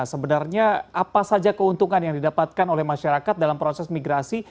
sebenarnya apa saja keuntungan yang didapatkan oleh masyarakat dalam proses migrasi